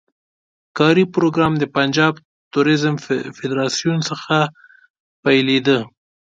کاري پروګرام د پنجاب توریزم فدراسیون څخه پیلېده.